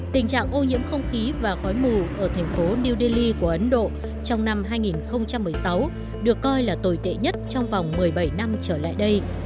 tình trạng ô nhiễm không khí và khói mù ở thành phố new delhi của ấn độ trong năm hai nghìn một mươi sáu được coi là tồi tệ nhất trong vòng một mươi bảy năm trở lại đây